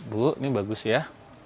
bu ini bagus ya